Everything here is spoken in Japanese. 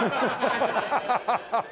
ハハハハハ！